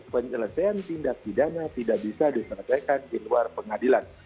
penyelesaian tindak pidana tidak bisa diselesaikan di luar pengadilan